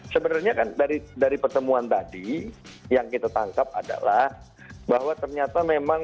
sebenarnya kan dari pertemuan tadi yang kita tangkap adalah bahwa ternyata memang